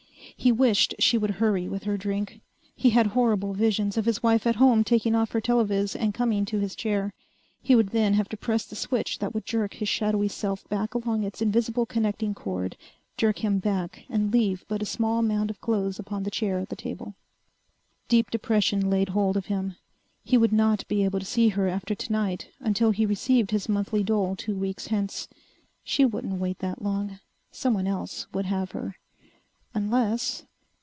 He wished she would hurry with her drink. He had horrible visions of his wife at home taking off her telovis and coming to his chair. He would then have to press the switch that would jerk his shadowy self back along its invisible connecting cord, jerk him back and leave but a small mound of clothes upon the chair at the table. Deep depression laid hold of him. He would not be able to see her after tonight until he received his monthly dole two weeks hence. She wouldn't wait that long. Someone else would have her. Unless